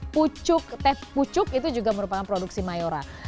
pucuk teh pucuk itu juga merupakan produksi mayora